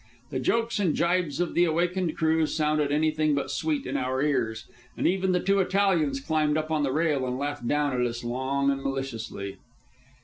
The jokes and gibes of the awakened crew sounded anything but sweet in our ears, and even the two Italians climbed up on the rail and laughed down at us long and maliciously.